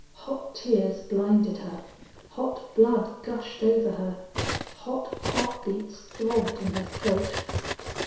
Hot tears blinded her, hot blood gushed over her, hot heart beats throbbed in her throat.